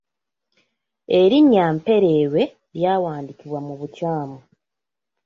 Erinnya ‘Mpereerwe’ lyawandiikibwa mu bukyamu.